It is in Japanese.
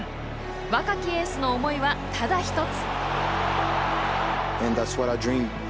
若きエースの思いは、ただ１つ。